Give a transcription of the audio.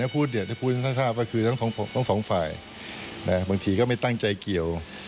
พูดทั้งสองฝ่ายบางทีก็ไม่ตั้งใจเกี่ยว